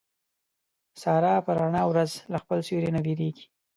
ساره په رڼا ورځ له خپل سیوري نه وېرېږي.